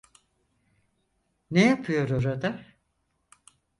Ne yapıyor orada?